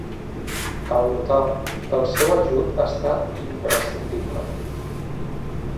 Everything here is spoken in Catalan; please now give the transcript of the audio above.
Cal notar que el seu ajut ha estat imprescindible.